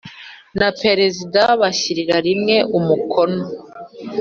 Na perezida bashyirira rimwe umukono